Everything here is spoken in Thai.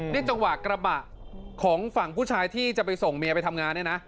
นี่จังหวะกระบะของฝั่งผู้ชายที่จะไปส่งเมียไปทำงานเนี่ยนะ